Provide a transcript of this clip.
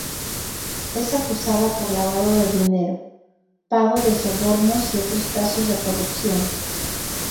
Es acusada por lavado de dinero, pago de sobornos y otros casos de corrupción.